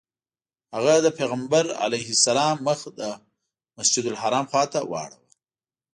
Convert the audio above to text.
هغه د پیغمبر علیه السلام مخ د مسجدالحرام خواته واړوه.